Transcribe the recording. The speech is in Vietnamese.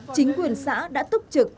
chính quyền xã đã tốc trực